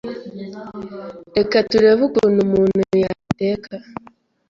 Reka turebe ukuntu umuntu yateka